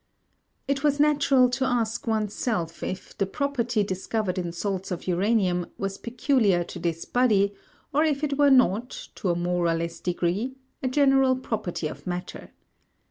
] It was natural to ask one's self if the property discovered in salts of uranium was peculiar to this body, or if it were not, to a more or less degree, a general property of matter.